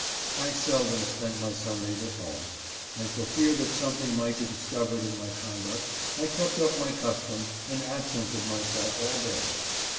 I seldom spent my Sundays at home, and for fear that something might be discovered in my conduct, I kept up my custom and absented myself all day.